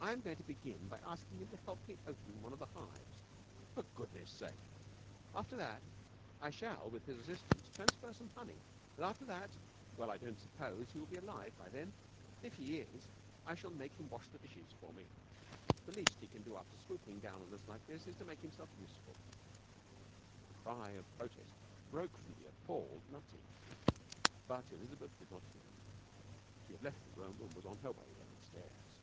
'I am going to begin by asking him to help me open one of the hives.' 'For goodness' sake!' 'After that I shall with his assistance transfer some honey. And after that well, I don't suppose he will be alive by then. If he is, I shall make him wash the dishes for me. The least he can do, after swooping down on us like this, is to make himself useful.' A cry of protest broke from the appalled Nutty, but Elizabeth did not hear it. She had left the room and was on her way downstairs.